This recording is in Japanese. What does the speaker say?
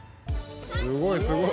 すごいすごい！